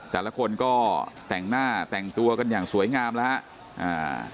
แต่ละคนก็แต่งหน้าแต่งตัวกันอย่างสวยงามแล้วฮะอ่า